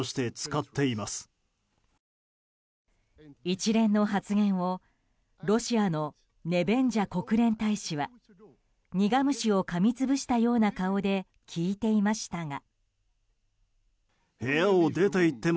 一連の発言をロシアのネベンジャ国連大使は苦虫をかみ潰したような顔で聞いていましたが。